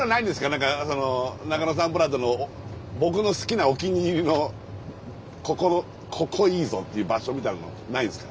何かその中野サンプラザの僕の好きなお気に入りのここいいぞっていう場所みたいなのないんですか？